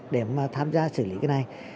để mà tham gia xử lý cái này